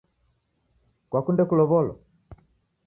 Kwakunde kulow'olwa?